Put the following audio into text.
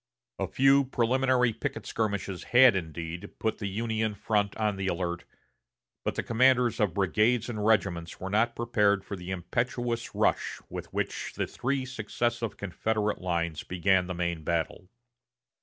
A few preliminary picket skirmishes had, indeed, put the Union front on the alert, but the commanders of brigades and regiments were not prepared for the impetuous rush with which the three successive Confederate lines began the main battle.